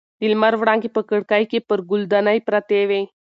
د لمر وړانګې په کړکۍ کې پر ګل دانۍ پرتې وې.